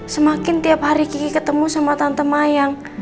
semakin tiap hari kiki ketemu sama tante mayang